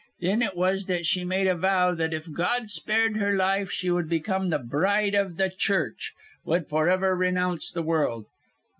Then it was that she made a vow that if God spared her life she would become the bride of the church would forever renounce the world.